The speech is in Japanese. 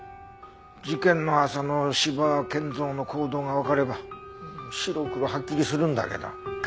事件の朝の斯波健三の行動がわかれば白黒はっきりするんだけど。